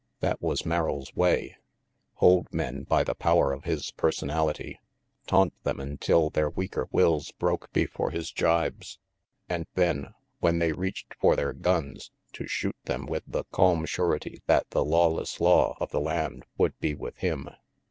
That was Merrill's way. RANGY PETE 259 Hold men by the power of his personality, taunt them until their weaker wills broke before his gibes, and then, when they reached for their guns, to shoot them with the calm surety that the lawless law of the land would be with him.